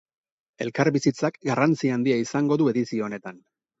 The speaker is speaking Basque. Elkarbizitzak garrantzi handia izango du edizio honetan.